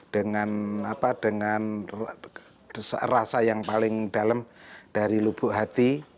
dengan rasa yang paling dalam dari lubuk hati